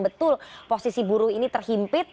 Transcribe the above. betul posisi buruh ini terhimpit